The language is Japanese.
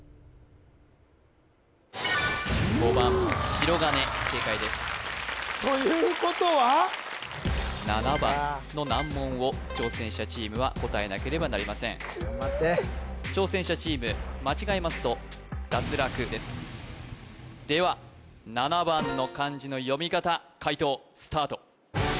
５番しろがね正解ですということは７番の難問を挑戦者チームは答えなければなりません頑張ってでは７番の漢字の読み方解答スタート